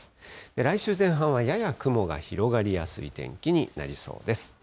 来週前半はやや雲が広がりやすい天気になりそうです。